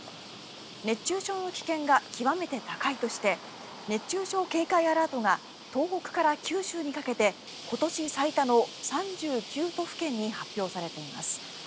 熱中症の危険が極めて高いとして熱中症警戒アラートが東北から九州にかけて今年最多の３９都府県に発表されています。